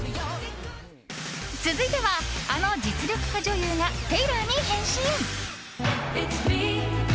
続いては、あの実力派女優がテイラーに変身。